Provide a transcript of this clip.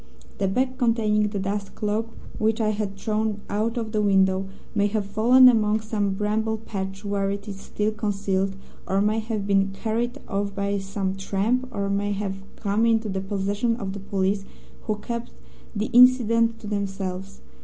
The bag, containing the dust cloak, which I had thrown out of the window, may have fallen among some bramble patch where it is still concealed, or may have been carried off by some tramp, or may have come into the possession of the police, who kept the incident to themselves.